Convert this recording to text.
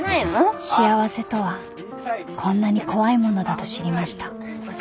［幸せとはこんなに怖いものだと知りました］